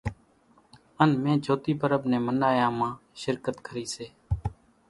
ان مين جھوتي پرٻ نين منايا مان شرڪت ڪري سي